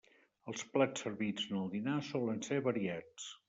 Els plats servits en el dinar solen ser variats.